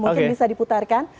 mungkin bisa diputarkan